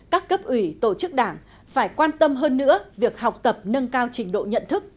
các cấp ủy tổ chức đảng phải quan tâm hơn nữa việc học tập nâng cao trình độ nhận thức